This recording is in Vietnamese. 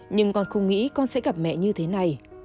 nhưng con không nghĩ con sẽ gặp mẹ như thế này